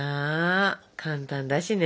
簡単だしね。